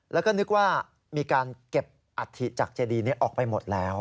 แล้วก็นึกว่ามีการเก็บอัฐิจากเจดีนี้ออกไปหมดแล้ว